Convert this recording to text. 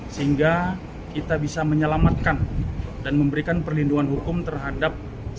sehingga kita bisa menyelamatkan dan memberikan perlindungan hukum terhadap